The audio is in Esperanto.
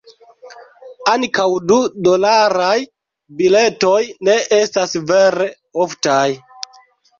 Ankaŭ du-dolaraj biletoj ne estas vere oftaj.